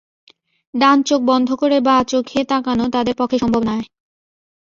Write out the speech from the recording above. ডান চোখ বন্ধ করে বা চোখে তাকানো তাদের পক্ষে সম্ভব নয়।